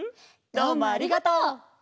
どうもありがとう！